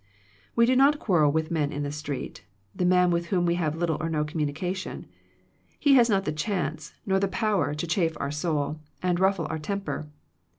We do not quarrel with the man in the street, the man with whom we have little or no communica tion. He has not the chance, nor the power, to chafe our soul, and ruffle our temper.